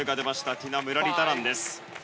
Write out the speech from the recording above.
ティナ・ムラリタランです。